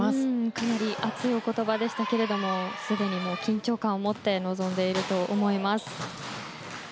かなり熱いお言葉でしたけどすでに緊張感を持って臨んでいると思います。